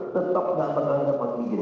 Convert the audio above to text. tetap nggak pernah dapat izin